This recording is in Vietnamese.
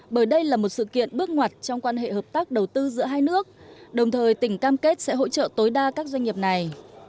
bởi đây là một sự kiện bước ngoặt trong quan hệ hợp tác đầu tư giữa hai nước đồng thời tỉnh cam kết sẽ hỗ trợ tối đa các doanh nghiệp này